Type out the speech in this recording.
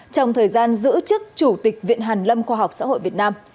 trong thời gian giữ chức chủ tịch viện hàn lâm khoa học xã hội việt nam